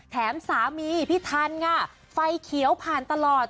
สามีพี่ทันค่ะไฟเขียวผ่านตลอด